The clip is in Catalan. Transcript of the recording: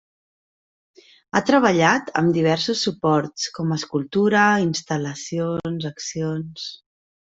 Ha treballat amb diversos suports com escultura, instal·lacions, accions.